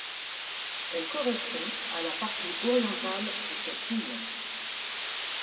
Elle correspond à la partie orientale de cette île.